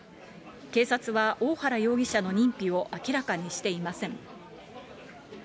警察は大原容疑者の認否を明らかにしていません。